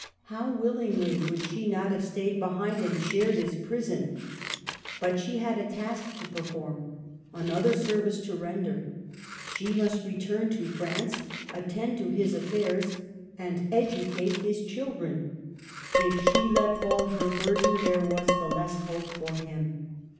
How willingly would she not have stayed behind and shared his prison ! But she had a task to perform, another service to render. She must return to France, attend to his affairs, and educate his children. If she let fall her burden, there was the less hope for him.